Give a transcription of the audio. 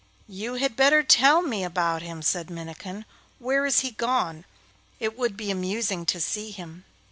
'You had better tell me about him,' said Minnikin. 'Where is he gone? It would be amusing to see him.